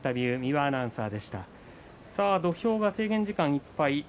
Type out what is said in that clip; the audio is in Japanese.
土俵が制限時間いっぱいです。